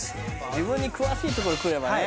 自分に詳しいところくればね